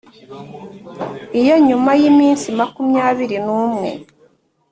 Iyo nyuma y iminsi makumyabiri n umwe